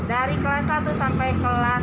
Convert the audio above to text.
dari kelas satu sampai kelas